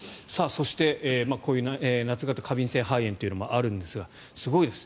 そして、こういう夏型過敏性肺炎というのもあるんですがすごいです。